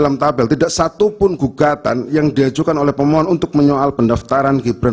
dalam tabel tidak satupun gugatan yang diajukan oleh pemohon untuk menyoal pendaftaran gibran